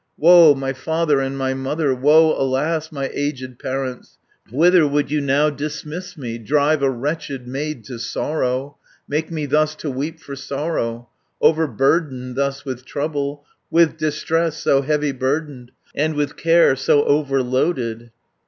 "Woe, my father and my mother, Woe, alas, my aged parents! Whither would you now dismiss me, Drive a wretched maid to sorrow, Make me thus to weep for sorrow, Overburdened thus with trouble, 420 With distress so heavy burdened, And with care so overloaded?